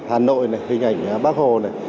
hà nội này hình ảnh bác hồ này